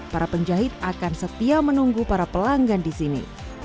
para penjahit akan setia menunggu para pelanggan di sini